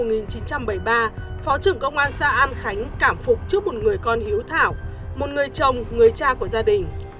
năm một nghìn chín trăm bảy mươi ba phó trưởng công an xã an khánh cảm phục chúc một người con hiếu thảo một người chồng người cha của gia đình